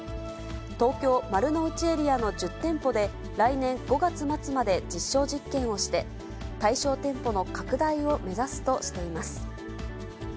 東京・丸の内エリアの１０店舗で、来年５月末まで実証実験をして、対象店舗の拡大を目指すとしています。